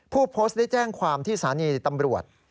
ผู้โพสต์ได้แจ้งความที่สถานีตำรวจ